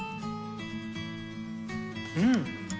うん。